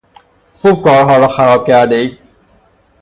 خوب کارها را خراب کردهای!